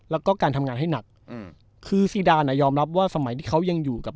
แล้วก็การทำงานให้หนักอืมคือซีดานอ่ะยอมรับว่าสมัยที่เขายังอยู่กับ